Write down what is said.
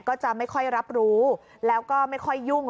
ก็จะไม่ค่อยรับรู้แล้วก็ไม่ค่อยยุ่ง